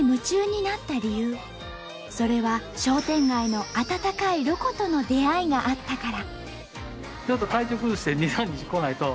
それは商店街の温かいロコとの出会いがあったから。